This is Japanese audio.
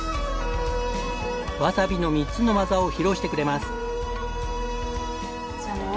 わさびの３つの技を披露してくれます。